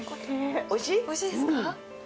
美味しいですか？